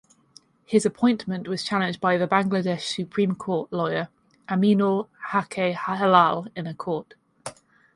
His appointment was challenged by Bangladesh Supreme Court lawyer Aminul Haque Helal in court.